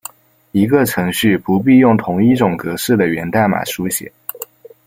一个程序不必用同一种格式的源代码书写。